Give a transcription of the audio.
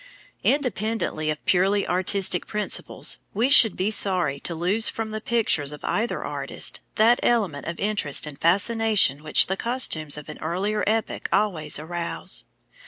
Independently of purely artistic principles, we should be sorry to lose from the pictures of either artist that element of interest and fascination which the costumes of an earlier epoch always arouse.